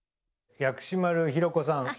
薬師丸ひろ子さん